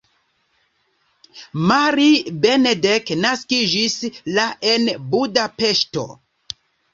Mari Benedek naskiĝis la en Budapeŝto.